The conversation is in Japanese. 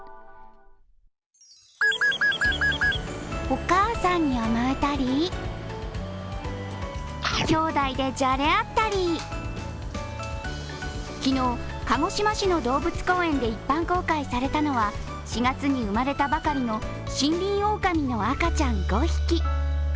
お母さんに甘えたり、兄弟でじゃれ合ったり、昨日、鹿児島市の動物公園で一般公開されたのは４月に生まれたばかりのシンリンオオカミの赤ちゃん５匹。